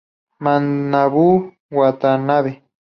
Manabu Watanabe